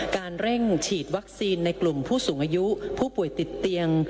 เร่งฉีดวัคซีนในกลุ่มผู้สูงอายุผู้ป่วยติดเตียง